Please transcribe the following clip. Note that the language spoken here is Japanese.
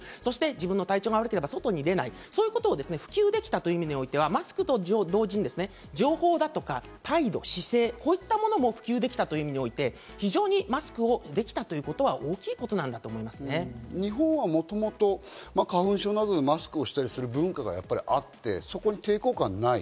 自分の体調が悪ければ外に出ない、そういうことを普及できたという意味においては、マスクと同時に情報だとか態度、姿勢、こういったものも普及できたという意味において、非常にマスクをできたということは大きい一方はもともと花粉症などでマスクをしたりする文化があって、抵抗感がない。